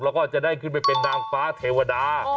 แล้วก็จะได้ขึ้นไปเป็นนางฟ้าเทวดา